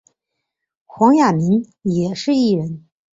黄雅珉也是艺人。